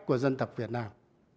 của dân tộc việt nam